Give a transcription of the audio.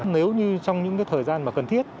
nếu như trong những thời gian mà cần thiết